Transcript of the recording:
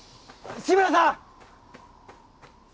志村さん！